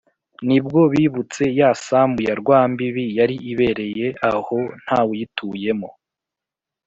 ni bwo bibutse ya sambu ya rwambibi yari ibereye aho ntawuyituyemo